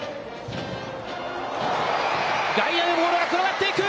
外野にボールが転がっていく。